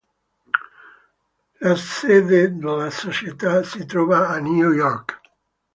La sede della società si trova a New York.